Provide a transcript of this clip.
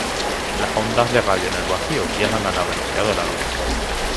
Las ondas de radio en el vacío viajan a la velocidad de la luz.